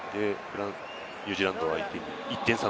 ニュージーランド相手に１点差。